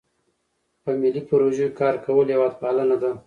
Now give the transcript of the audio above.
په ملي پروژو کې کار کول هیوادپالنه ده.